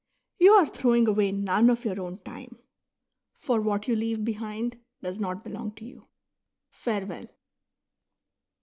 You are throwing away none of your own time ; for what you leave behind does not belong to you. Farewell.